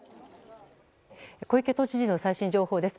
小池都知事の最新情報です。